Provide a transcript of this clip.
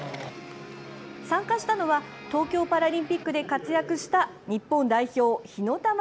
参加したのは東京パラリンピックで活躍した日本代表、火ノ玉ＪＡＰＡＮ